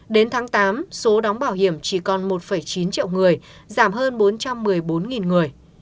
đến tháng tám số đóng bảo hiểm chỉ còn một chín triệu người giảm hơn bốn trăm một mươi bốn người